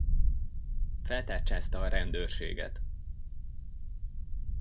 Feltárcsázta a rendőrséget.